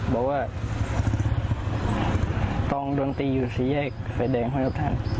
บอกว่าตองโดนตีอยู่สี่แยกแฟดแดงฮท